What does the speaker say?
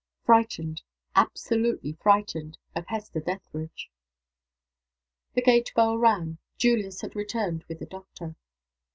Frightened absolutely frightened of Hester Dethridge! The gate bell rang. Julius had returned with the doctor.